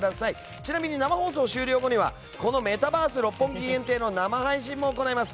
ちなみに生放送終了後にはこのメタバース六本木限定の生配信も行います。